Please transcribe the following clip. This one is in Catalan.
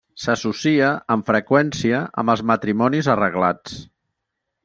S'associa amb freqüència amb els matrimonis arreglats.